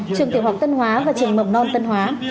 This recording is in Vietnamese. trường tiểu học tân hóa và trường mầm non tân hóa